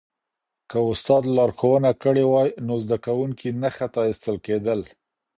که استاد لارښوونه کړې وای نو زده کوونکی نه خطا استل کېدل.